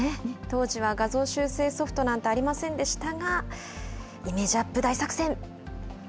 当時は画像修正ソフトなんてありませんでしたが、イメージアップ大作戦。